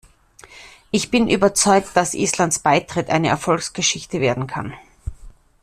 Ich bin überzeugt, dass Islands Beitritt eine Erfolgsgeschichte werden kann.